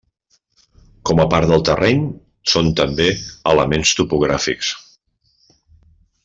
Com a part del terreny, són també elements topogràfics.